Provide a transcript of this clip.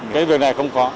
cái việc này không khó